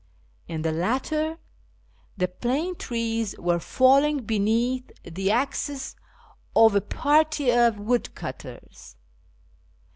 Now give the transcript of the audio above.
In the latter, the plane trees were falling beneath the axes of a party of woodcutters.